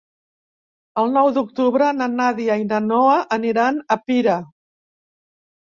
El nou d'octubre na Nàdia i na Noa aniran a Pira.